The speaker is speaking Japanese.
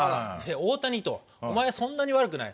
大谷、お前はそんなに悪くない。